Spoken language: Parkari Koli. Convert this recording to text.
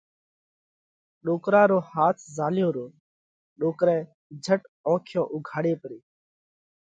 ڏوڪرا رو هاٿ زهاليو رو، ڏوڪرئہ جھٽ اونکيون اُوگھاڙي پري